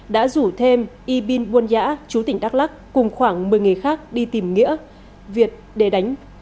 đã rủ thêm y bin buôn nhã chú tỉnh đắk lắc cùng khoảng một mươi người khác đi tìm nghĩa việt để đánh